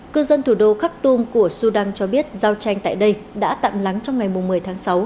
cư dân thủ đô khak tum của sudan cho biết giao tranh tại đây đã tạm lắng trong ngày một mươi tháng sáu